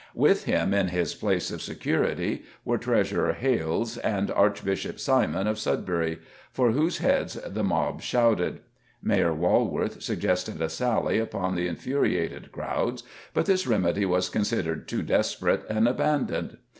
With him in his place of security were Treasurer Hales and Archbishop Simon of Sudbury, for whose heads the mob shouted. Mayor Walworth suggested a sally upon the infuriated crowds, but this remedy was considered too desperate, and abandoned.